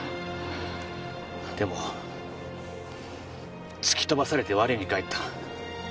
でも突き飛ばされて我に返った。